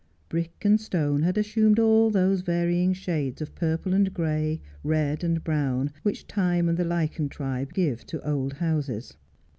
Brick and stone had assumed all those varying shades of purple and gray, red and brown, which time and the lichen tribe give to old houses.